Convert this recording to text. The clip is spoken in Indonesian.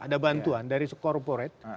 ada bantuan dari sekorporat